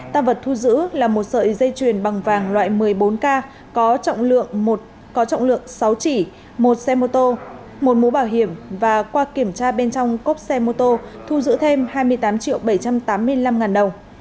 ta vật thu giữ là một sợi dây chuyền bằng vàng loại một mươi bốn k có trọng lượng sáu chỉ một xe mô tô một mũ bảo hiểm và qua kiểm tra bên trong cốc xe mô tô thu giữ thêm hai mươi tám triệu bảy trăm tám mươi năm ngàn đồng